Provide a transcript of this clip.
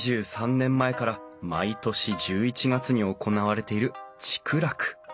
２３年前から毎年１１月に行われている竹楽。